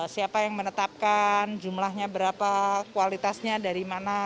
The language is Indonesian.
kita tetapkan jumlahnya berapa kualitasnya dari mana